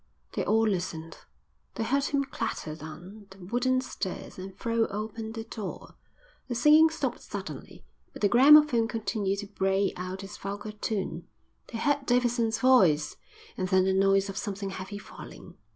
They all listened. They heard him clatter down the wooden stairs and throw open the door. The singing stopped suddenly, but the gramophone continued to bray out its vulgar tune. They heard Davidson's voice and then the noise of something heavy falling.